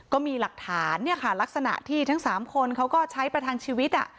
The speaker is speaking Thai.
ก็มีหลักฐานเนี่ยค่ะลักษณะที่ทั้ง๓คนเขาก็ใช้ประทังชีวิต